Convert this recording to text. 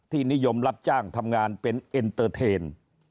นิยมรับจ้างทำงานเป็นเอ็นเตอร์เทน